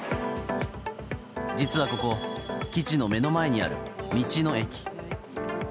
実はここ基地の目の前にある道の駅。